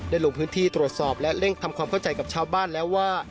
ลงพื้นที่ตรวจสอบและเร่งทำความเข้าใจกับชาวบ้านแล้วว่า